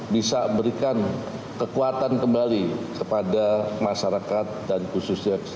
bisa memberikan kekuatan kembali kepada masyarakat dan khususnya kesehatan